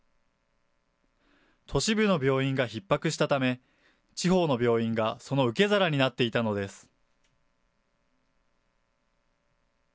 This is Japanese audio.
都市部の病院がひっ迫したため、地方の病院がその受け皿になっていたのです。